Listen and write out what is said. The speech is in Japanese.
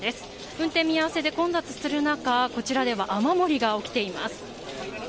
運転見合わせで混雑する中、こちらでは雨漏りが起きています。